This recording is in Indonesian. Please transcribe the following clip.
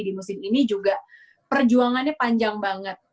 di musim ini juga perjuangannya panjang banget